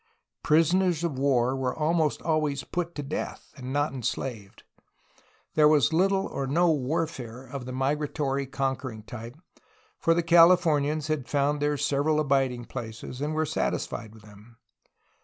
Prisoners of war were almost always put to death, and not enslaved. There was little or no warfare of the migratory conquering type, for the Cahfornians had found their several abiding places and were satisfied with them.